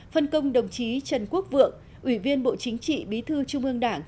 phân công đồng chí trần quốc vượng ủy viên bộ chính trị bí thư trung ương đảng